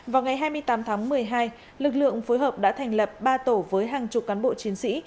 vào ngày hai mươi tám tháng một mươi hai lực lượng phối hợp đã thành lập ba tổ với hàng chục cán bộ chiến sĩ